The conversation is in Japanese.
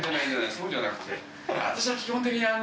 そうじゃなくて。